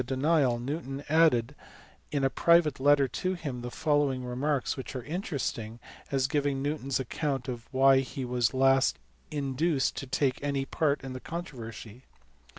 denial Newton added in a private letter to him the following remarks which are interesting as giving Newton s account of why he was at last induced to take any part in the con troversy.